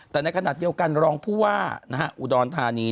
แต่ในขณะเดียวกันรองผู้ว่าอุดรธานี